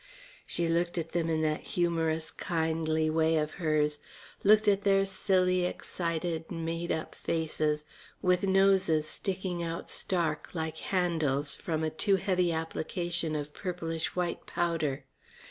She looked at them in that humorous, kindly way of hers, looked at their silly, excited, made up faces with noses sticking out stark, like handles, from a too heavy application of purplish white powder.